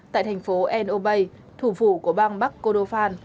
tại thành phố en obe thủ phủ của bang bắc kodofan